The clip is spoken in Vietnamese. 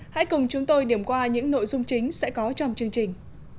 hãy cùng chúng tôi điểm qua những nội dung chính sẽ có trong chương trình